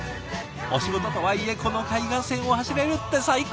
お仕事とはいえこの海岸線を走れるって最高！